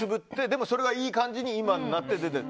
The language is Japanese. でも、それがいい感じになって出て。